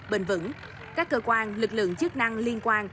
bền vững các cơ quan lực lượng chức năng liên quan